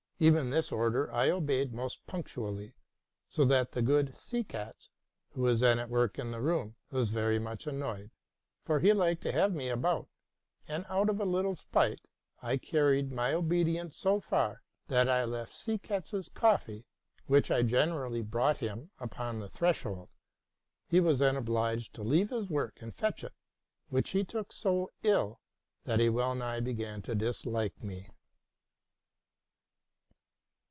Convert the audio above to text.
Even this order I obeyed most punctually ; so that the good Seekatz, who was then at work in the room, was very much annoyed, for he liked to have me about him: and, out of a little spite, I carried my obedience so far, that I left Seekatz's coffee, which I generally brought him, upon the threshold. He was then obliged to leave his work and fetch it, which he took so ill, that he well nigh began to dislike me. ic TVA LAL VALLE RELATING TO MY LIFE.